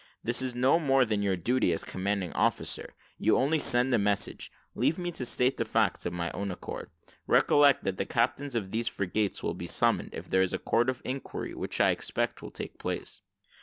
This is no more than your duty as commanding officer; you only send the message, leave me to state the facts of my own accord. Recollect that the captains of these frigates will be summoned, if there is a court of inquiry, which I expect will take place."